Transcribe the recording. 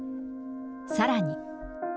さらに。